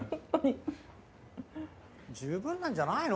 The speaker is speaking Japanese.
十分なんじゃないの？